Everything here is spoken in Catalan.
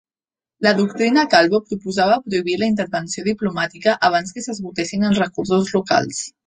La doctrina Calvo proposava prohibir la intervenció diplomàtica abans que s'esgotessin els recursos locals.